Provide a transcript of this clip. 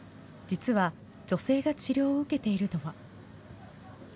実は、女性が治療を受けているのは。